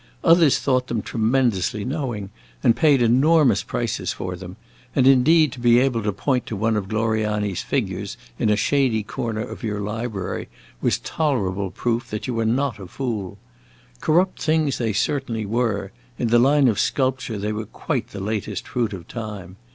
Others thought them tremendously knowing, and paid enormous prices for them; and indeed, to be able to point to one of Gloriani's figures in a shady corner of your library was tolerable proof that you were not a fool. Corrupt things they certainly were; in the line of sculpture they were quite the latest fruit of time.